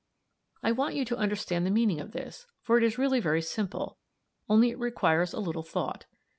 ] "I want you to understand the meaning of this, for it is really very simple, only it requires a little thought.